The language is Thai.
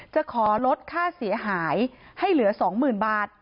จะขอลดค่าเสียหายให้เหลือ๒๐๐๐บาท